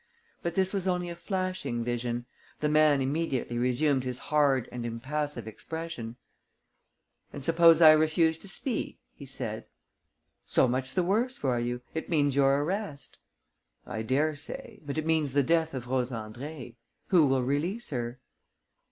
But this was only a flashing vision: the man immediately resumed his hard and impassive expression. "And suppose I refuse to speak?" he said. "So much the worse for you. It means your arrest." "I dare say; but it means the death of Rose Andrée. Who will release her?"